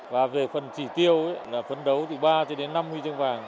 và về phần chỉ tiêu là phân đấu từ ba đến năm huy chương vàng